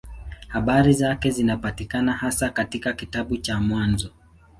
Habari zake zinapatikana hasa katika kitabu cha Mwanzo.